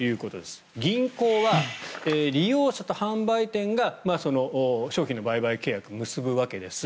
銀行は、利用者と販売店が商品の売買契約を結ぶわけです。